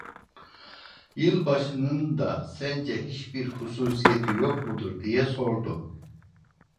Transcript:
"Yılbaşının da sence hiçbir hususiyeti yok mudur?" diye sordum.